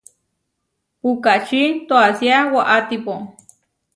Puʼkáči toasía waʼátipo.